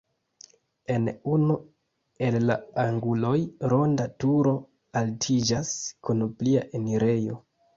En unu el la anguloj ronda turo altiĝas kun plia enirejo.